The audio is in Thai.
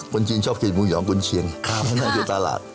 คนจีนชอบกินหมูหยองคนเชียงนั่นคือตลาด